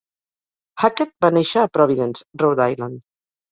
Hackett va néixer a Providence, Rhode Island.